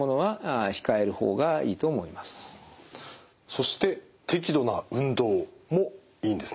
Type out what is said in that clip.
そして適度な運動もいいんですね？